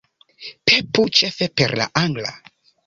Pepu ĉefe per la angla